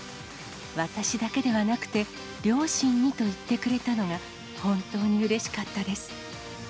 私だけではなくて、両親にと言ってくれたのが、本当にうれしかったです。